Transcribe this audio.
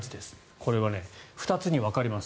これは２つに分かれます。